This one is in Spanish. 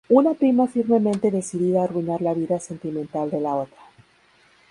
Una prima firmemente decidida a arruinar la vida sentimental de la otra.